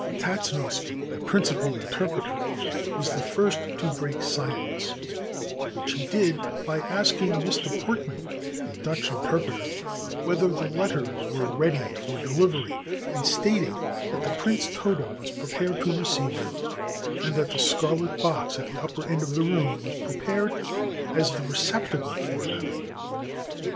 Tatznoske, the principal interpreter, was the first to break silence, which he did by asking Mr. Portman, the Dutch inter preter, whether the letters were ready for dehvery, and stating that the Prince Toda was prepared to receive them; and that the scarlet box at the upper end of the room was prepared as the receptacle for them.